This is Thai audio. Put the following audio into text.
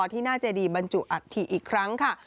ที่หน้าเจดีบรรจุอัฐิอีกครั้งค่ะ